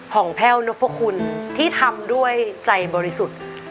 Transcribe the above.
ของแพ่วนพคุณที่ทำด้วยใจบริสุทธิ์